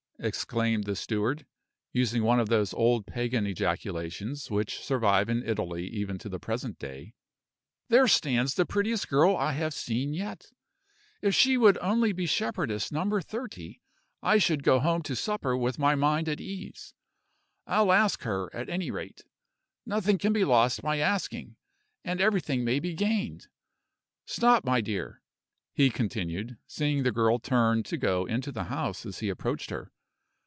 exclaimed the steward (using one of those old Pagan ejaculations which survive in Italy even to the present day), "there stands the prettiest girl I have seen yet. If she would only be shepherdess number thirty, I should go home to supper with my mind at ease. I'll ask her, at any rate. Nothing can be lost by asking, and everything may be gained. Stop, my dear," he continued, seeing the girl turn to go into the house as he approached her.